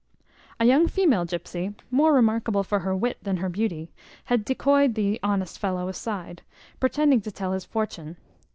A young female gypsy, more remarkable for her wit than her beauty, had decoyed the honest fellow aside, pretending to tell his fortune.